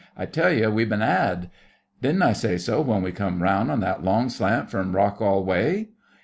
I tell you we've been 'ad. Didn't I say so when we come round on that long slant from Rockall way?